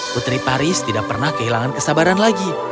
putri paris tidak pernah kehilangan kesabaran lagi